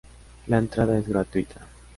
La entrada es gratuita.